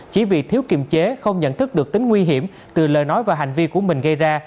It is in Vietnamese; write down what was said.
chỉ vì thiếu kiềm chế không nhận thức được tính nguy hiểm từ lời nói và hành vi của mình gây ra